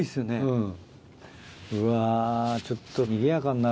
うん。